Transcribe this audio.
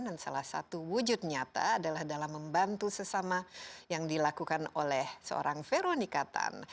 dan salah satu wujud nyata adalah dalam membantu sesama yang dilakukan oleh seorang veronica tan